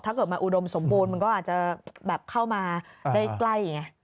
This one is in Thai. ถ้าเกิดมาอู้ดมสมบูรณ์มันก็อาจจะเข้ามาได้ใกล้อย่างนี้